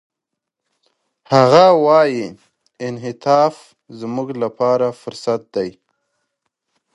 هغه وايي، انعطاف زموږ لپاره فرصت دی.